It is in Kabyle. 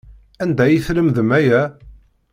Anda ay tlemdem aya?